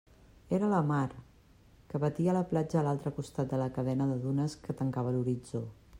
Era la mar, que batia la platja a l'altre costat de la cadena de dunes que tancava l'horitzó.